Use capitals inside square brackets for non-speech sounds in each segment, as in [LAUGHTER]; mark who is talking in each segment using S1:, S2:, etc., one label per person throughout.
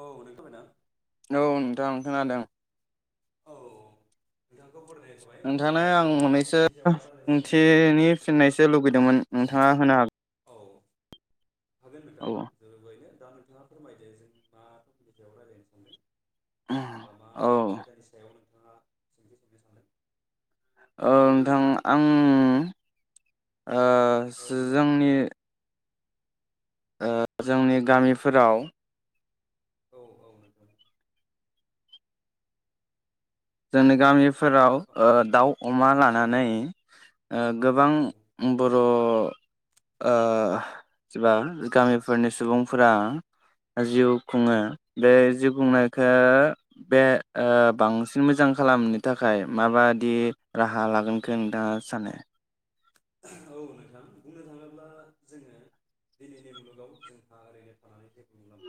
S1: औ नों खोनाबायना
S2: औ नोंथां खोनादों
S1: औ नोंथांखौ बरायनाय थाबाय
S2: नोंथांनो आं मोननैसो सोंथिनि
S1: ओ जों मा
S2: फिननायसो
S1: टपिकनि
S2: लुुबैदोंमोन नोंथाङा होनो
S1: सायाव दा रायलायनो सानदों औ हागोन नोंथां
S2: औ
S1: जों बे दा नोंथाङा फोरमायदो जों मा दनि सायाव रायज्लायनो सानदों बा मा
S2: औ
S1: आयदानि सायाव ओ सोंथि सोंनो सानबाय
S2: ओ नोंथां आं ओ
S1: सानदों औ नोंथां औ
S2: जोंनि ओ जोंनि गामिफोराव
S1: औ औ नोंगौ
S2: जोंनि गामि फोराव ओ दाउ अमा
S1: औ
S2: लानानै
S1: औ
S2: गोबां बर' ओ गामिफोरनि सुबुंफोरा जिउ खुङो बे जिउ खुंनायखौ बे ओ बांसिन मोजां खालामनायनि थाखाय माबादि राहा लागोनखौ नोंथाङा सानो
S1: औ नोंथां बुंनो थाङोब्ला जोङो दिनैनि मुलुगाव जोंहा ओरैनो थानानै जे
S2: औ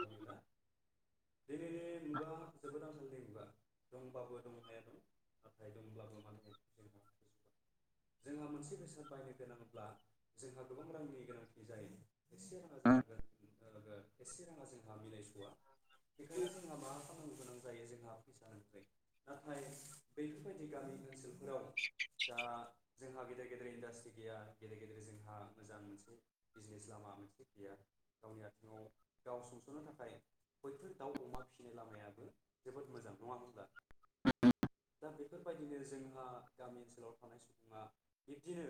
S1: दिनैनि मुगा जोबोद आंखालनि‌ मुगा दंबाबो दंहायाबाबो दंब्लाबो माने जोंहा मोनसे बेसाद बायनो गोनांब्ला जोंहा गोबां रांनि गोनांथि जायो एसे एसे राङा जोंहा मिलायस'वा बेखायनो जोंहा मा खालामनो गोनां जायो जोंहा फैसानिफ्राय नाथाय बैफोरबायदि गामि ओनसोलफोराव दा जोंहा गेदेर गेदेर इन्डास्ट्रि गैया गेदेर गेदेर जोंहा मोजां मोनसे बिजनेस लामा मोनसे गैया गावनि आथिङाव गाव सुंस'नो थाखाय बैफोर दाउ अमा फिसिनाय लामायाबो जोबोद मोजां नङा हब्ला दा बेफोरबायदिनो जोंहा गामि ओनसोलाव थानाय सुबुङा बिब्दिनो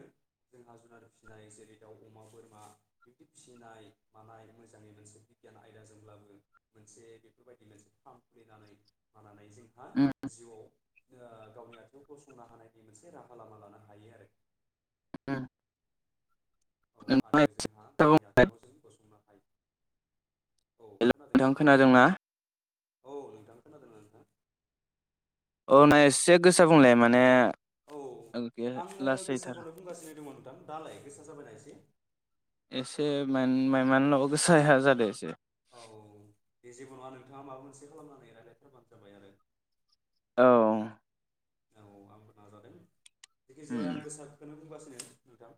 S1: जोंहा जुनार फिसिनाय जेरै दाउ अमा बोरमा बिदि फिसिनाय मानाय मोजांङै मोनसे बिगियान आयदाजोंब्लाबो मोनसे बेफोरबायदि मोनसे फार्म खुलिनानै मानानै जों जोंहा जिउआव गावनि आथिं गसंनो हानायनि मोनसे राहा लामा लानो हायो आरोखि
S2: [INAUDIBLE]
S1: औ आरो
S2: नोंथां
S1: जोंहा गावनि आथिङाव जों गसंनो हायो औ खोनादोंना नोंथां औ नोंथां खोनादोंना नोंथां
S2: औ नाय एसे गोसा बुंलाय माने
S1: औ आङो
S2: लासैथार
S1: गोसाखौनो बुंगासिनो दंमोन नोंथां दालाय गोसा जाबायना एसे
S2: माइ मानल' गोसाया जादों एसे
S1: औ औ दे जेबो नङा नोंथाङा माबा मोनसे खालामनानै रायज्लायथारबानो जाबाय आरो
S2: औ
S1: औ आंबो नाजादों जायखिजाया आं
S2: उम
S1: गोसाखौनो बुंगा उम नोंथां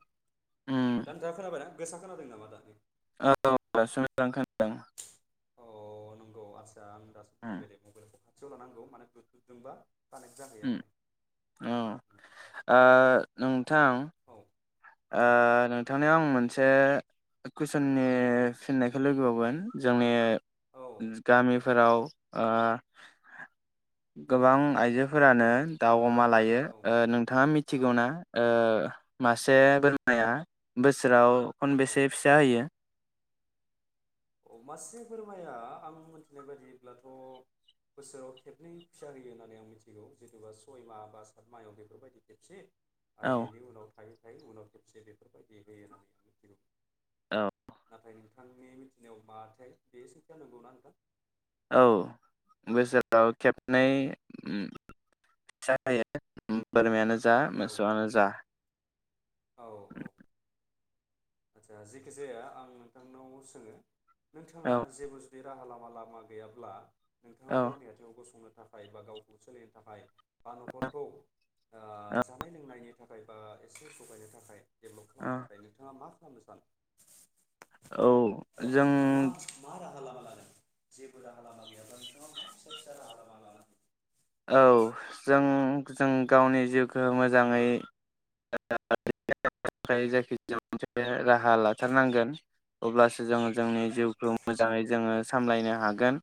S2: उम
S1: दानजा खोनाबाय ना गोसा खोनादों नामा दानि
S2: औ दासो मोजां खोनादों
S1: अ नंगौ आ आं दासो
S2: उम
S1: [UNINTELLIGIBLE] मबेलखौ खाथियाव लानांगौ माने गोदोंबा
S2: औ आ नों थां
S1: औ
S2: ओ
S1: औ
S2: नोंथांनियाव आं मोनसे मोनसे कुइसननि फिननायखौ लोगो बावगोन जोंनि
S1: औ
S2: गामिफोराव ओ गोबां आइजोफोरानो दाउ अमा लायो
S1: औ
S2: ओ नोंथाङा मिथिगौना
S1: औ
S2: ओ मासि से बोरमाया बोसोराव
S1: औ
S2: खनबेसे फिसा होयो
S1: अ मासे बोरमाया आं मिथिनाय बायदिब्लाथ' बोसोराव खेबनै फिसा होयो होननानै आं मिथिगौ जेन'बा सय माह बा सात माहायाव बेफोरबायदि खेबसे आरो
S2: औ
S1: बेनि उनाव थायो नाथाय उनाव खबसे बेफोरबायदि होयो होननानै मिथिगौ
S2: औ
S1: नाथाय नोंथांनि नियाव माथाय बे सैथो नोंगौ ना नडा
S2: औ बोसोराव खेबनै जाहायो बोरमायानो ज जा
S1: औ
S2: मोसौआनो जा
S1: औ औ आदसा जेखि जाया आं नोंथांनाव सोङो नोंथाङा
S2: औ
S1: जेबो जदि राहा लामा लामा गैयाब्ला नोंथाङा
S2: औ
S1: गावनि आथिंङाव गसंनो थाखाय बा गावखौ सोलायनो थाखाय बा नखरखौ ओ
S2: औ
S1: जानाय लोंनायनि थाखाय बा एसे डेभलप
S2: औ
S1: खालामनो थाखाय नोंथाङा मा खालामनो सानो?
S2: औ जों
S1: नोंथाङा मा मा राहा लामा लानो जेबो राहा लामा गैयाबा नोंथाङा मा फिसा फिसा राहा लामा लानो
S2: औ जों जों गावनि जिउखौ मोजाङै जायखिजाया मोनसे राहा लाथारनांगोन अब्लासो जोङो जोंनि
S1: हायो
S2: जिउखौ मोजाङै जोङो सामलायनो हागोन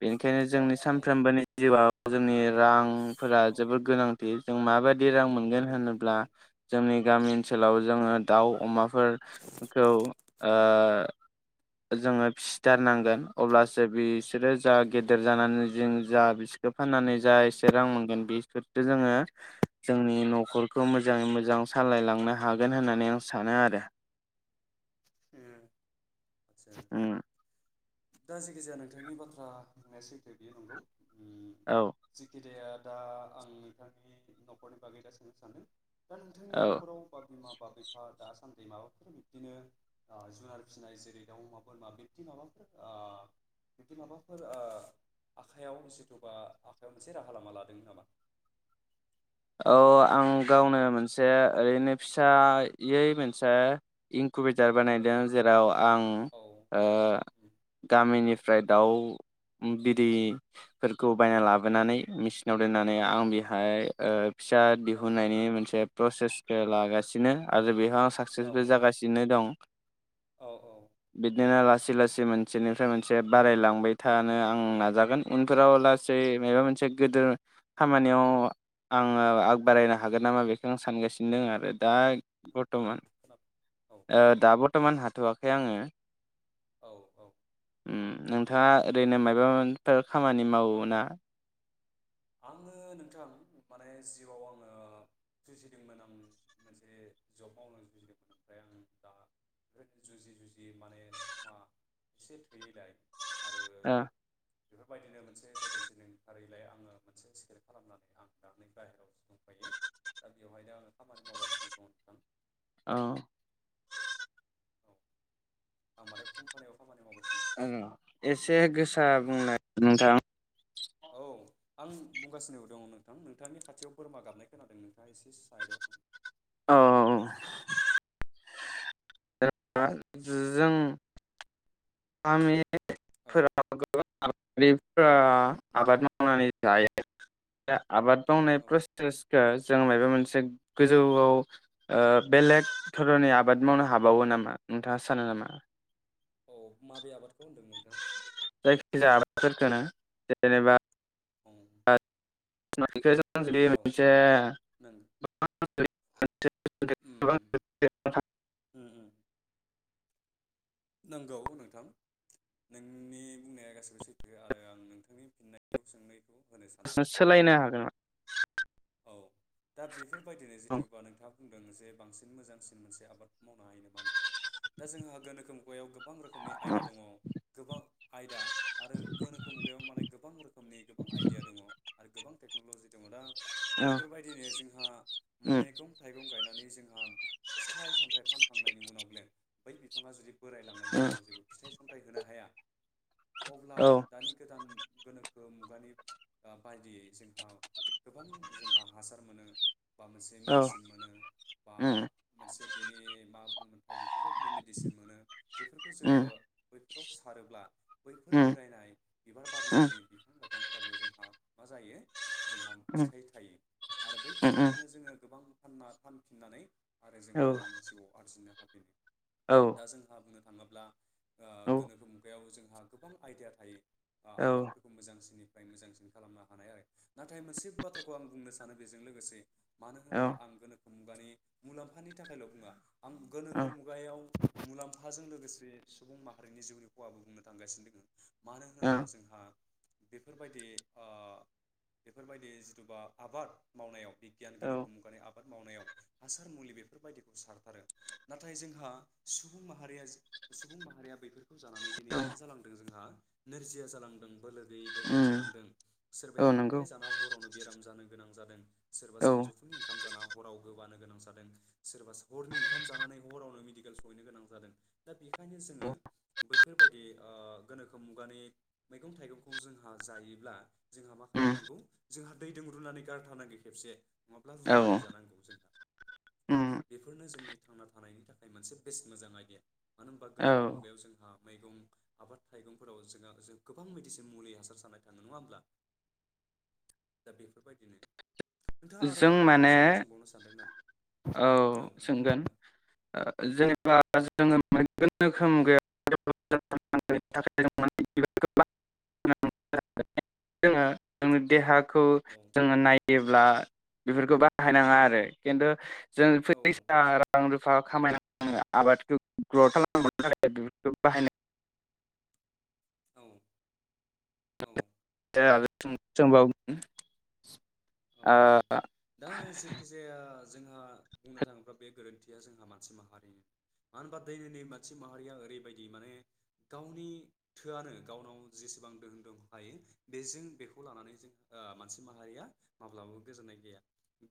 S2: बेनिखाय नो जोंनि
S1: औ
S2: सानफ्रोमबोनि जिउआव जोंनि रांफोरा
S1: औ
S2: जोबोद गोनांथि जों माबायदि रां मोनगोन
S1: गोनांथि
S2: होनोब्ला
S1: औ
S2: जोंनि गामि
S1: औ
S2: ओनसोलाव जोङो दाउ अमाफोरखौ ओ जोङो फिसिथारनांगोन अब्लासो बिसोरो जा गेदेर जानानै जों जा बि खौ फाननानै जा एसे रां मोनगोन बेसोरदो जोङो जोंनि नखरखौ मोजाङै मोजां सालायलांनो हागोन होननानै आं सानो आरो
S1: उम
S2: उम
S1: दा जायखिजाया नोंथांनि बाथ्रा होननाया सैथो बियो नंगौ।
S2: औ
S1: जिखिजाया दा आं नोंथांनि न'खरनि बागै दा सोंनो सान्दों दा नोंथांनि
S2: औ
S1: न'खराव बा बिमा बा बिफा दासान दै माबाफोर बिब्दिनो ओ जुनार फिसिनाय जेरै दाउ अमा बोरमा बिबदि माबाफोर ओ बिदि माबाफोर ओ आखायाव जेथुबा आखायाव मोनसे राहा लामा लादों नामा?
S2: औ आं गावनो मोनसे ओरैनो फिसायै मोनसे इनकुबेटार
S1: औ
S2: बानायदों जेराव आं
S1: औ
S2: ओ गामिनि ओमफ्राय दाउ बिदैफोरखौ बायना लाबोनानै मेचिनाव दोननानै आं बेहाय ओ फिसा
S1: औ
S2: दिहुननायनि मोनसे प्रसेसखौ लागासिनो आरो बेहा
S1: औ
S2: साकसेसबो जासिनो दं
S1: औ औ
S2: बिदिनो ला लासै लासै मोनसेनिफ्राय मोनसे बारायलांबाय थानो आं नाजागोन उनफोराव लासै माबा मोनसे गेदेर खामानियाव। आङो आग बारायनो हागोन नामा बेखौ आं सानगासिनो दं आरो दा
S1: औ
S2: बर्थमान
S1: खोनाबाय औ खोनाबाय
S2: दा
S1: नोंथां
S2: बर्थमान
S1: बुंदो
S2: हाथ'वाखै आङो
S1: औ
S2: ओम नोंथाङा बिदिनो मायाबा मोन थोर खामानि
S1: औ औ
S2: मावोना
S1: आङो नोंथां माने जिउआव आङो जुजिदोंमोन आं मोनसे जब मावनो जुजिदोंमोन ओमफ्राय आं दा ओनो जुजि जुजि माने समा एसे थैयैलाय आरो
S2: ओ
S1: बेफोरबायदिनो मो मोनसे भेकेन्सि ओंखारैलाय आङो मोनसे सिकेट खालामनानै आं दानि बाहेरायावसो दंफायो दा बेवहायनो आङो खामानि मावगासिनो दङ नोंथां
S2: औ
S1: औ आं माने कम्पानियाव खामानि मावगसिनो
S2: औ एसे गोसा बुंनाय नोंथां
S1: औ आं बुंगासिनो दङ नोंथां नोंथांनि खाथियाव बोरमा गाबनाय खोनादों नोंथाङा एसे साइदआव थां
S2: औ जों आ
S1: थां औ
S2: फोराव गोबां [UNINTELLIGIBLE] आबाद मावनानै जायो आबाद मावनाय
S1: औ
S2: प्रसेसखौ जों मायबा मोनसे मोनसे गोजौआव ओ बेलेग धरननि आबाद मावनो हाबावो नामा नोंथाङा सानो नामा
S1: औ माबे आबाद
S2: जायखि जाया आबाद फोरखौनो जेनेबा
S1: औ औ
S2: [UNINTELLIGIBLE]
S1: नों
S2: [UNINTELLIGIBLE] मोनसे
S1: उम
S2: [UNINTELLIGIBLE]
S1: उम उम नंगौ नोंथां नोंनि बुंनाया गासिबो सैथो आरो आं नोंथांनि फिननायखौ सोंनायखौ होनो सानदों
S2: सोलायनो हागोन
S1: औ दा बेफोरबायदिनो जिथुबा नोंथाङा बुंदों जे बांसिन मोजांसिन मोनसे आबाद मावनो हायो नामा ना दा जोंहा गोनोखो मुगायाव गोबां गोबां रोखोमनि आयदा दङ गोबां आयदा आरो गोनोखो मुगायाव माने गोबां रोखोमनि गोबां आयदिया दङ आरो गोबां टेक टेकन'लजि दङदा बेफोरबायदिनो जोंहा मैगं थाइगं गायनानै माने जोंहा फिथाइ सामथाइ फानखांनायनि उनाव बेे बै बिफाङा जुदि बोरायलांनायनि उनाव जेबो फिथाइ सामथाइ होनो हाया अब्ला दानि गोदान गोनोखो मुगानि ओ बायदियै जोंहा गोबां जोंहा हासार मोनो बा मोनसे
S2: औ
S1: मेडिसिन मोनो बा
S2: उम
S1: मोनसे बेनि मा बुङो मोनथाय बेखौ बेबायदिनो मेडिसिन मोनो बेफोरखौ
S2: उम
S1: जोङो फोराव सारोब्ला बैफोर बोरायनाय बिबार बारनो
S2: उम
S1: रोङि बिफां लाइफां फोराबो जोंहा मा जायो जोंहा
S2: उम
S1: फिथाइ थायो आरो बै
S2: उम
S1: फिथाइखोनो जोङो गोबां फाना फानफिननानै आरो
S2: औ
S1: जोंहा रां जिउआव आरजिनो
S2: औ
S1: हाफिनो दा जोंहा बुङो थाङोब्ला ओ
S2: औ
S1: गोनोखो मुगायाव जोंहा गोबां आइदिया थायो ओ
S2: औ
S1: आबादफोरखौ मोजांसिननिफ्राय मोजांसिन खालामनो हानाय आरो नाथाय मोनसे बाथ्रा खौ आं बुंनो सानो बेजों लोगोसे मानो
S2: औ
S1: होनोब्ला आं गोनोखो मुगानि मुलाम्फानि थाखायल' बुङा आं गोनोखो मुगायाव मुलाम्फाजों लोगोसे सुबुं माहारिनि जिउनि खहाबो बुंनो थांगासिनो दङ मानो
S2: औ
S1: होनोब्ला जोंहा बेफोरबायदि ओ बेफोरबायदि दुबा आबाद मावनायाव बिगियान
S2: औ
S1: गोनोखो मुगानि आबाद मावनायाव हासार मुलि बेफोरबायदिखौ सारथारो नाथाय जोंहा सुबुं माहारिया सुबुं माहारिया बेफोरखौ जानानै दिनै मा जालांदों जोंहा नोरजिया जालांदों बोलो गैयै देहायाव
S2: उम
S1: जालांदों सोरबाया
S2: औ नंगौ
S1: बांद्राय जाना हरावनो बेराम जानो गोनां जादों सोरबा
S2: औ
S1: सानजौफुनि ओंखाम जाना हराव होबानो गोनां जादों सोरबा हरनि ओंखाम जानानै हरावनो मेडिकेल सहैनो गोनां जादों दा बेखायनो जोङो बैफोरबायदि ओ गोनोखो मुगानि मैगं थाइगंखौ जोंहा जायोब्ला जोंहा मा
S2: उम
S1: खालामनांगौ जोंहा दैदों रुनानै गारथारनांगौ खेबसे नङाब्ला
S2: औ
S1: रुनानै जानांगौ जोंहा
S2: उम
S1: बेफोरनो जोंनि थांना थानायनि थाखाय मोनसे बेस्ट मोजां आइडिया मानो होनबा
S2: औ
S1: गोनोखो मुगायाव जोंहा मैगं आबाद थाइगंफोराव जोङा ज गोबां बायदिसिम मुलि हासार सानाय थाङो नङा होमब्ला दा बेफोरबायदिनो नोंथाङा आरो
S2: जों
S1: माबाफोर
S2: माने
S1: सोंथि सोंबावनो सानदों नामा
S2: औ सोंगोन ओ जेनेबा [UNINTELLIGIBLE] गोनोखो मुगायाव [UNINTELLIGIBLE] जोङो जोंनि देहा खौ
S1: औ
S2: जोङो नायोब ब्ला बेफोरखौ बाहायनाङा आरो खिन्थु जों
S1: औ
S2: फैसा
S1: बेस
S2: रां रुफा खामाय ना आबादखौ ग्र खालाम [UNINTELLIGIBLE] बाहायनाय
S1: औ औ
S2: [UNINTELLIGIBLE] [UNINTELLIGIBLE]
S1: औ औ दा जेखि जाया जोंहा बुंनो थाङोब्ला बे गोरोन्थिया जोंहा मानसि माहारिनि मानो होनबा दैनैनि मानसि माहारिया ओरैबायदि माने गावनि थोआनो गावनाव जेसेबां दोहोन दं हायो बेजों बेखौ लानानै जों ओ मानसि माहारिया माब्लाबाबो गोजोननाय गैया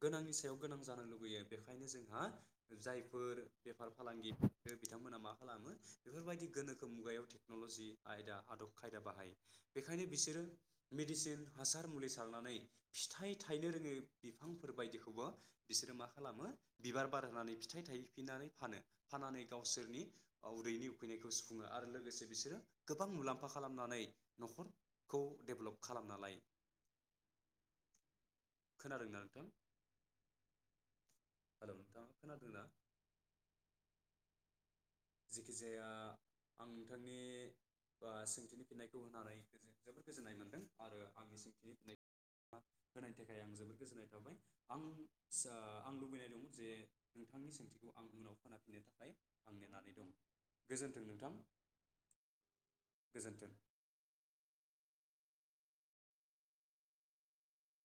S1: गोनांनि सायाव गोनां जानो लुुबैयो बेखायनो जोंहा जायफोर बेफार फालांगि बिथांमोनहा मा खालामो बेफोरबायदि गोनोखो मुगायाव टेक्न'लजि आयदा आदब खायदा बाहायो बेखायनो बिसोरो मेडिसिन हासार मुलि सारनानै फिथाइ थायनो रोङै बिफांफोर बायदिखौबो बिसोरो मा खालामो बिबार बार होनानै फिथाइ थायैफिननानै फानो फाननानै गावसोरनि उदैनि उखैनायखौ सुफुङो आरो लोगोसे बिसोरो गोबां मुलाम्फा खालामनानै न'खरखौ डेभ्लप खालामना लायो खोनादोंना नोंथां हेलौ नोंथाङा खोनादों ना जेखिजाया आं नोंथांनि सोंथिनि फिन्नायखौ होनानै जोबोर गोजोननाय मोनदों आरो आंनि सोंथिनि फिन्नायखौ होनायनि थाखाय आं जोबोर गोजोननाय थाबाय आं आं लुबैनाय दङ जे नोंथांनि सोंथिखौ आं उनाव खोनाफिननो थाखाय आं नेनानै गोजोनथों नोंथां गोजोनथों